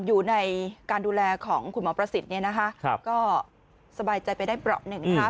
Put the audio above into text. อยู่ในการดูแลของคุณหมอประสิทธิ์เนี่ยนะคะก็สบายใจไปได้เปราะหนึ่งนะคะ